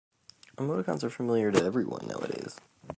Emoticons are familiar to everyone nowadays.